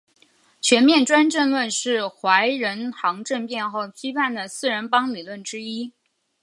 全面专政论是怀仁堂政变后批判的四人帮理论之一。